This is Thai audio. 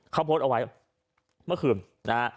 เขาโพสเอาไว้เมื่อคืน